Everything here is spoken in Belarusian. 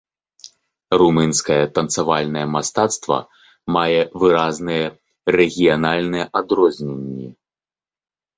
Румынскае танцавальнае мастацтва мае выразныя рэгіянальныя адрозненні.